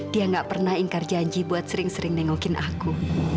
dia gak pernah ingkar janji buat sering sering nengokin aku